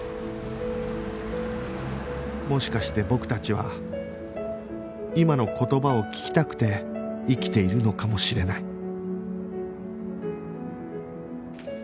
もしかして僕たちは今の言葉を聞きたくて生きているのかもしれない